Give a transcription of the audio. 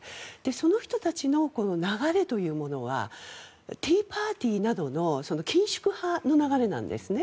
その人たちの流れというものはティーパーティーなどの緊縮派の流れなんですね。